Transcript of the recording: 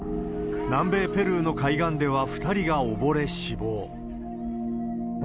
南米ペルーの海岸では２人が溺れ死亡。